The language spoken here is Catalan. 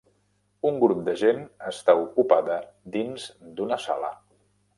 Un grup de gent està ocupada dins d'una sala.